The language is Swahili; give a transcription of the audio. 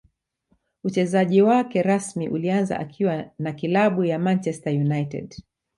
Uchezaji wake rasmi ulianza akiwa na klabu ya Manchester united